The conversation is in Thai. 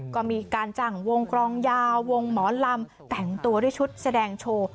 ก็มีการจ้างวงกรองยาววงหมอลำแต่งตัวด้วยชุดแสดงโชว์